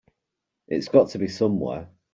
It's got to be somewhere.